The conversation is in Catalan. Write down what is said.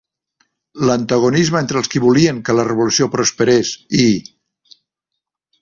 L'antagonisme entre els qui volien que la revolució prosperés i...